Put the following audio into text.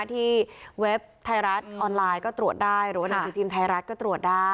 เว็บไทยรัฐออนไลน์ก็ตรวจได้หรือว่าหนังสือพิมพ์ไทยรัฐก็ตรวจได้